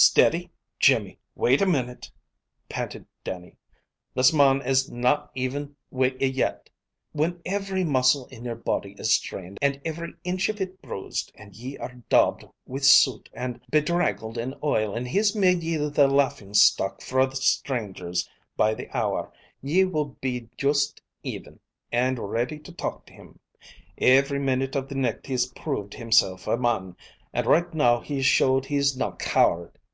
"Steady Jimmy, wait a minute," panted Dannie. "This mon is na even wi' ye yet. When every muscle in your body is strained, and every inch of it bruised, and ye are daubed wi' soot, and bedraggled in oil, and he's made ye the laughin' stock fra strangers by the hour, ye will be juist even, and ready to talk to him. Every minute of the nicht he's proved himself a mon, and right now he's showed he's na coward.